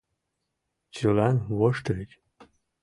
Чылан воштыльыч.